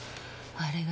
あれが？